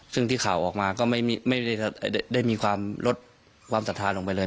ซึ่งที่ข่าวออกมาก็ไม่ได้มีความลดความศรัทธาลงไปเลย